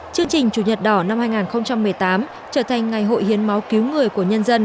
chương trình chủ nhật đỏ năm hai nghìn một mươi tám trở thành ngày hội hiến máu cứu người của nhân dân